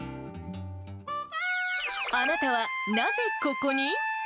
あなたはなぜここに？